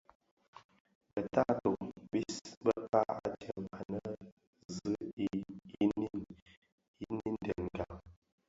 Bë taato bis bekpag adyèm annë zi i niň niñdènga.